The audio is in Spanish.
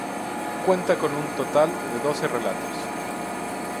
Cuenta con un total de doce relatos.